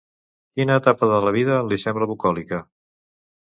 Quina etapa de la vida li sembla bucòlica?